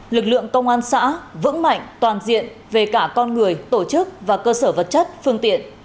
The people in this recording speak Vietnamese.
lực lượng công an xã vững mạnh toàn diện về cả con người tổ chức và cơ sở vật chất phương tiện